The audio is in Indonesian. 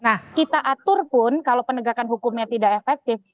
nah kita atur pun kalau penegakan hukumnya tidak efektif